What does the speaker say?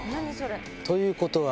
ということは。